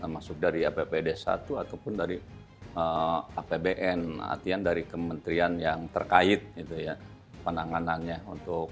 masuk dari apbd satu ataupun dari apbn artian dari kementerian yang terkait gitu ya penanganannya untuk